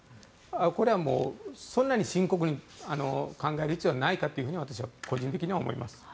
これはもう、そんなに深刻に考える必要はないかと個人的には思います。